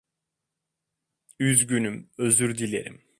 Üzgünüm, özür dilerim.